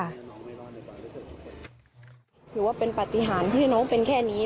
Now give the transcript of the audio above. ถือว่าเป็นปฏิหารที่น้องเป็นแค่นี้